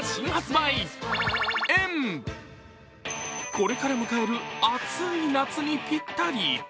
これから迎える暑い夏にぴったり。